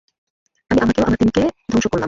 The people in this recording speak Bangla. আমি আমাকে ও আমার দীনকে ধ্বংস করলাম।